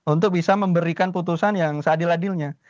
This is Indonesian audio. untuk bisa memberikan putusan yang seadil adilnya